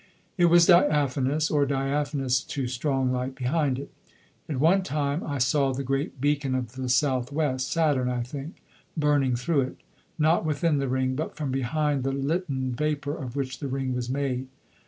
It was diaphanous, or diaphanous to strong light behind it. At one time I saw the great beacon of the south west (Saturn, I think) burning through it; not within the ring, but from behind the litten vapour of which the ring was made.